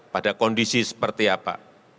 pada kondisi seperti apa